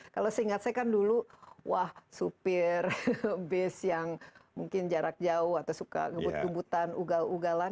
kalau seingat saya kan dulu wah supir bis yang mungkin jarak jauh atau suka gebut gebutan ugal ugalan